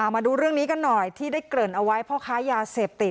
มาดูเรื่องนี้กันหน่อยที่กลืนเอาไว้เพราะขายยาเสพติด